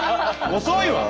遅いわ！